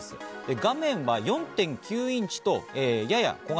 画面は４．９インチとやや小型。